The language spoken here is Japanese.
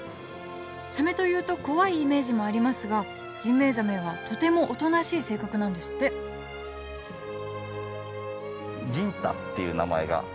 サメというと怖いイメージもありますがジンベエザメはとてもおとなしい性格なんですってジンタっていう名前が。